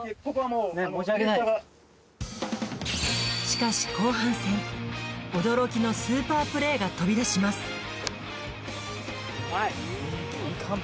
しかし後半戦驚きのスーパープレーが飛び出しますうまい！